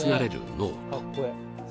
ノート